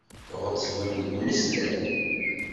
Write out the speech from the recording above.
Tɣettbem deg umeslay.